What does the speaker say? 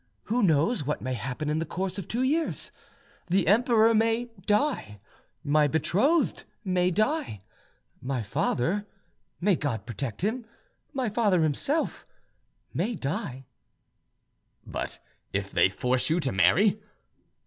Who knows what may happen in the course of two years? The emperor may die, my betrothed may die, my father—may God protect him!—my father himself may die—!" "But if they force you to marry?"